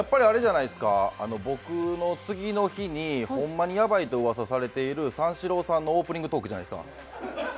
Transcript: やっぱり僕の次の日に、ほんまにヤバいとうわさされている三四郎さんのオープニングトークじゃないですか。